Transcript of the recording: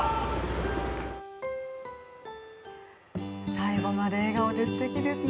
最後まで笑顔で、すてきですね。